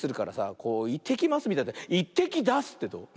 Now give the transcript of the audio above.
こう「いってきます」みたいな「いってきだす」ってどう？